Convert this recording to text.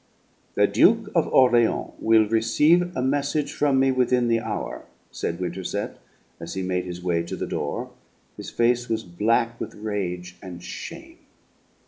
"The Duke of Orleans will receive a message from me within the hour!" said Winterset, as he made his way to the door. His face was black with rage and shame.